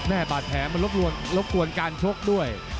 แน่บาดแถมมันรบกวนการชกด้วย